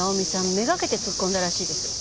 目がけて突っ込んだらしいです。